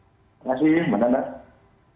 terima kasih bang zaky